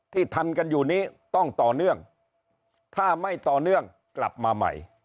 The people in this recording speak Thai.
ที่ทำกันอยู่นี้ต้องต่อเนื่องถ้าไม่ต่อเนื่องกลับมาใหม่